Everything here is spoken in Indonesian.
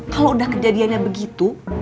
kalau udah kejadiannya begitu